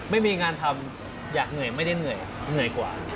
ไม่มีงานทำอยากเหนื่อยไม่ได้เหนื่อยเหนื่อยกว่า